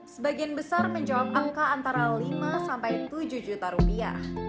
sebagian besar menjawab angka antara lima sampai tujuh juta rupiah